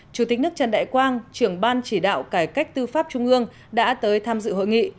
chủ tịch nước trần đại quang trưởng ban chỉ đạo cải cách tư pháp trung ương đã tới tham dự hội nghị